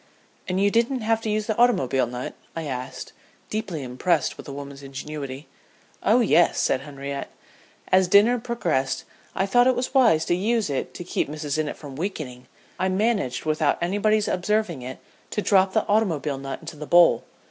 '" "And you didn't have to use the automobile nut?" I asked, deeply impressed with the woman's ingenuity. "Oh yes," said Henriette. "As dinner progressed I thought it wise to use it to keep Mrs. Innitt from weakening; so when the salad was passed I managed, without anybody's observing it, to drop the automobile nut into the bowl.